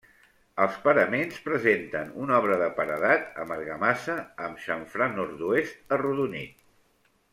Els paraments presenten una obra de paredat amb argamassa, amb xamfrà nord-oest arrodonit.